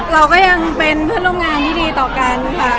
เราก็ยังเป็นเพื่อนร่วมงานที่ดีต่อกันค่ะ